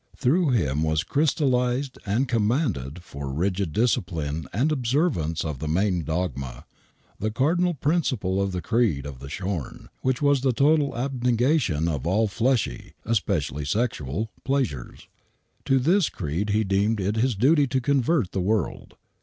Through him was crystallized and commanded for rigid dis cipline and observance of the main dogma, the cardinal principle of the creed, of the Shorn, which was the total abnegation of all fleshly (especially all sexual) pleasures. To this creed he deemed it his duty to convert the world.